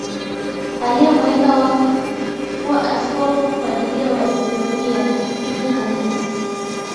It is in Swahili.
aliyemweka wakfu kuwa askofu kwa ajili ya Waethiopia Hivyo Kanisa